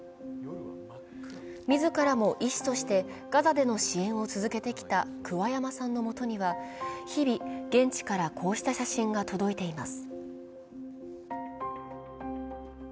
自らも医師としてガザでの支援を続けてきた桑山さんのもとには日々、現地からこうした写真が届いています。